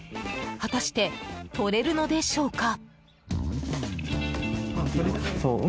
果たして、取れるのでしょうか。